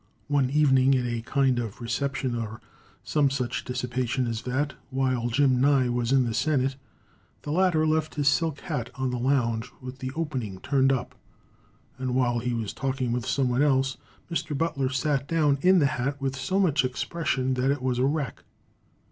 One evening, at a kind of reception or some such dissipation as that, while Jim Nye was in the Senate, the latter left his silk hat on the lounge with the opening turned up, and while he was talking with someone else, Mr. Butler sat down in the hat with so much expression that it was a wreck.